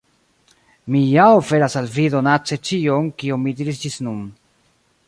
Mi ja oferas al vi donace ĉion, kion mi diris ĝis nun.